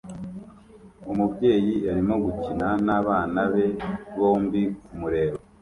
Umubyeyi arimo gukina nabana be bombi kumureba